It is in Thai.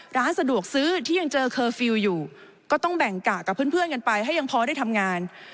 ร้านสะดวกซื้อที่ยังเจอเคอร์ฟิลล์อยู่ก็ต้องแบ่งกะกับเพื่อนกันไปให้ยังพอได้ทำงาน